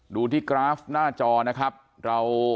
ดูที่กราฟหน้าจอนะครับ